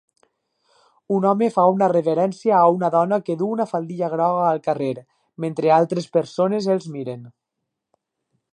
Un home fa una reverència a una dona que duu una faldilla groga al carrer, mentre altres persones els miren.